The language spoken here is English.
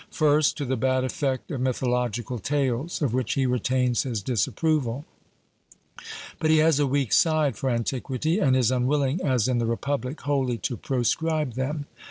First, to the bad effect of mythological tales, of which he retains his disapproval; but he has a weak side for antiquity, and is unwilling, as in the Republic, wholly to proscribe them.